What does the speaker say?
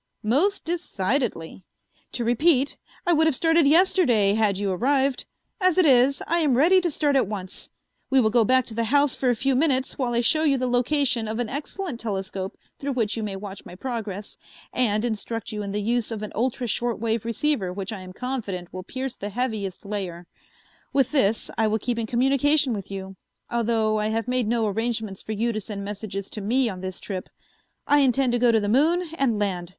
"Most decidedly. To repeat, I would have started yesterday, had you arrived. As it is, I am ready to start at once. We will go back to the house for a few minutes while I show you the location of an excellent telescope through which you may watch my progress, and instruct you in the use of an ultra short wave receiver which I am confident will pierce the Heaviside layer. With this I will keep in communication with you, although I have made no arrangements for you to send messages to me on this trip. I intend to go to the moon and land.